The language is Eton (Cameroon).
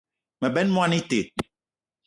Me benn moni ite